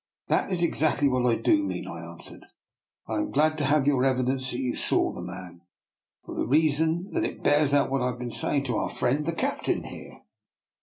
" That is exactly what I do mean," I an swered. " And I am glad to have your evi dence that you saw the man, for the reason that it bears out what I have been saying to our friend the captain here."